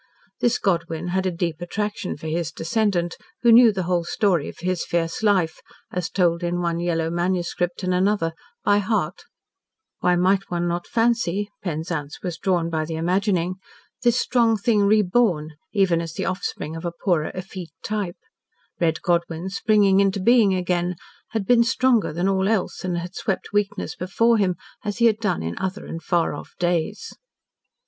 This Godwyn had a deep attraction for his descendant, who knew the whole story of his fierce life as told in one yellow manuscript and another by heart. Why might not one fancy Penzance was drawn by the imagining this strong thing reborn, even as the offspring of a poorer effete type. Red Godwyn springing into being again, had been stronger than all else, and had swept weakness before him as he had done in other and far off days.